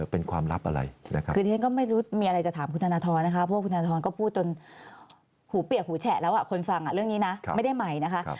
พวกคุณธรรมก็พูดจนหูเปียกหูแฉะแล้วคนฟังเรื่องนี้นะไม่ได้ใหม่นะคะ